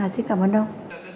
xin cảm ơn ông